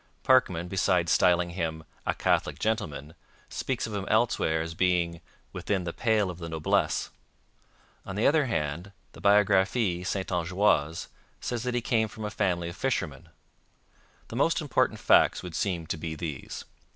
Parkman, besides styling him 'a Catholic gentleman,' speaks of him elsewhere as being 'within the pale of the noblesse.' On the other hand, the Biographie Saintongeoise says that he came from a family of fishermen. The most important facts would seem to be these.